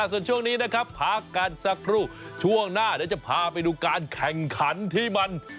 เอาล่ะส่วนช่วงนี้พะกันสรุช่วงหน้าเดี๋ยวจะพาไปดูการแข่งขันที่มัน